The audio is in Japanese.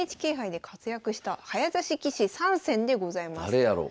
誰やろう？